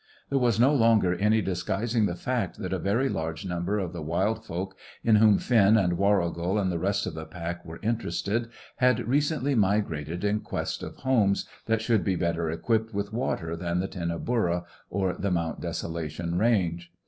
There was no longer any disguising the fact that a very large number of the wild folk, in whom Finn and Warrigal and the rest of the pack were interested, had recently migrated in quest of homes that should be better supplied with water than the Tinnaburra or the Mount Desolation range.